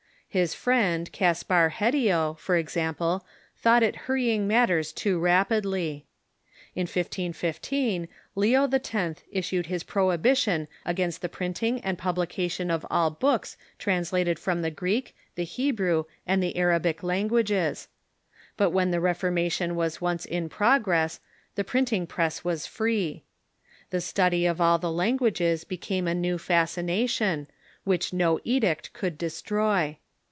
His friend Caspar Hedio, for example, thought it hurrjnng matters too rapidly. In 1515 Leo X. issued his pro hibition against the printing and publication of all books trans lated from the Greek, the Hebrew, and the Arabic languages; but when the Reformation was once in progress the printing press was free. The study of all the languages became a new fascination, which no edict could destroy.